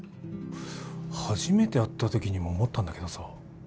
初めて会った時にも思ったんだけどさ